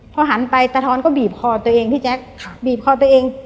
พอหันไปตะท้อนก็บีบคอตัวเองพี่แจ๊คบีบคอตัวเอง